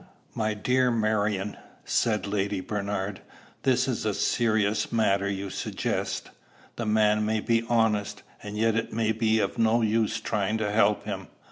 "My dear Marion," said Lady Bernard, "this is a serious matter you suggest. The man may be honest, and yet it may be of no use trying to help him.